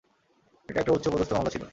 এটা একটা উচ্চ পদস্থ মামলা ছিল।